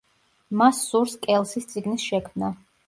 მას სურს კელსის წიგნის შექმნა.